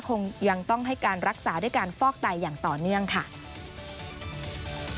คงยังต้องให้การรักษาด้วยการฟอกไตอย่างต่อเนื่องค่ะ